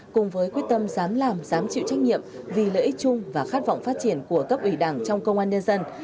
cùng với quyết tâm dám làm dám chịu trách nhiệm vì lợi ích chung và khát vọng phát triển của cấp ủy đảng trong công an nhân dân